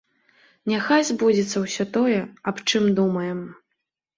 Няхай збудзецца ўсё тое, аб чым думаем.